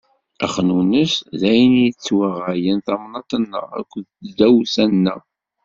Axnunnes, d ayen i yessettwaɣayen tamnaḍt-nneɣ akked tdawsa-nneɣ.